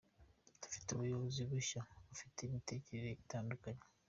Dufite ubuyobozi bushya bufite imitekerereze itandukanye.